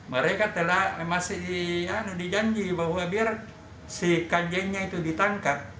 mereka telah masih dijanji bahwa biar si kanjengnya itu ditangkap